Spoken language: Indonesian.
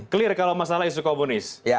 clear kalau masalah isu komunis